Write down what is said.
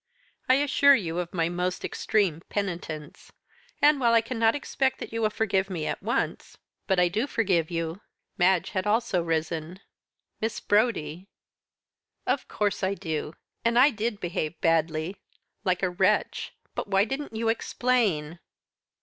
I assure you of my most extreme penitence. And while I cannot expect that you will forgive me at once " "But I do forgive you." Madge had also risen. "Miss Brodie." "Of course I do. And I did behave badly like a wretch. But why didn't you explain?"